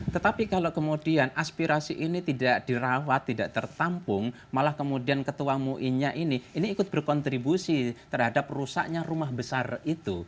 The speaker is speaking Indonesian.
tetapi kalau kemudian aspirasi ini tidak dirawat tidak tertampung malah kemudian ketua muinya ini ini ikut berkontribusi terhadap rusaknya rumah besar itu